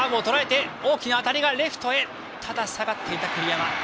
レフト、下がっていた栗山。